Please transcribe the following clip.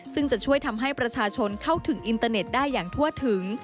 ซึ่งจะช่วยทำให้ประชาชนเข้าถึงอินเตอร์เน็ตได้อย่างทั่วถึง